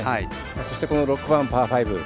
そして６番、パー５。